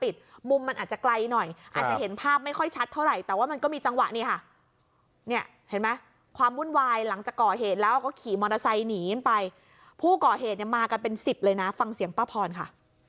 ใส่หนีไปผู้ก่อเหตุมากันเป็นสิบเลยนะฟังเสียงป้าพรค่ะ